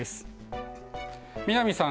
南さん